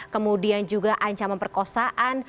kemudian juga ancaman perkosaan